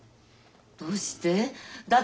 どうして？